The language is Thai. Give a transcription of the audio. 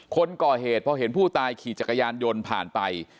คนก่อเหตุพอเห็นผู้ตายขี่จักรยานยนต์ผ่านไป